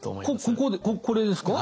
こここれですか？